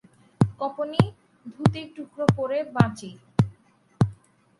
কপনি, ধুতির টুকরো পরে বাঁচি।